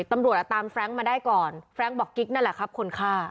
ตำรวจตามแฟรงค์มาได้ก่อนแฟรงค์บอกกิ๊กนั่นแหละครับคนฆ่า